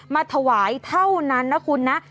มาถวายเท่านั้นนะคุณนะ